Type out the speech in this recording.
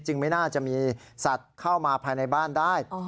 ไม่น่าจะมีสัตว์เข้ามาภายในบ้านได้